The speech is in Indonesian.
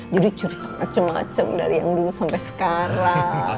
jadi cerita macem macem dari yang dulu sampe sekarang